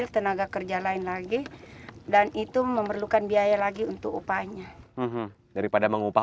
menjadi olahan seperti sirup dodol